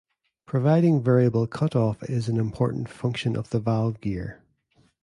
Providing variable cutoff is an important function of the valve gear.